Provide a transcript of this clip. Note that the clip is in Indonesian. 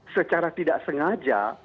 secara tidak sengaja